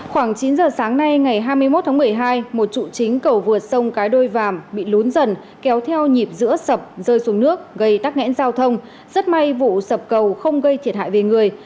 khoảng chín giờ sáng nay ngày hai mươi một tháng một mươi hai một trụ chính cầu vượt sông cái đôi vàm bị lún dần kéo theo nhịp giữa sập rơi xuống nước gây tắc nghẽn giao thông rất may vụ sập cầu không gây thiệt hại về người